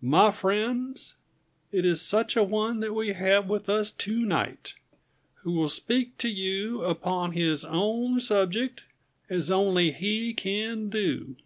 My friends, it is such a one that we have with us to night who will speak to you upon his own subject as only he can do.